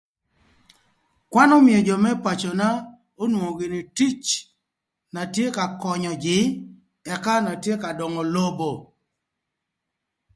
Kwan ömïö jö më pacöna onwongo gïnï tic na tye ka könyö jïï ëka na tye ka döngö lobo